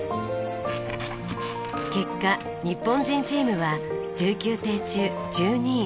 結果日本人チームは１９艇中１２位。